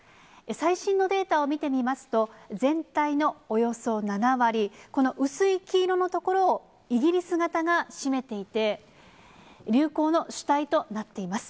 最新のデータを見てみますと、全体のおよそ７割、この薄い黄色のところをイギリス型が占めていて、流行の主体となっています。